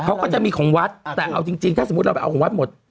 เขาก็จะมีของวัดแต่เอาจริงถ้าสมมุติเราไปเอาของวัดหมด